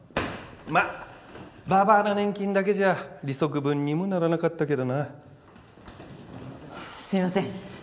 まあばばあの年金だけじゃ利息分にもならなかったけどなすみません。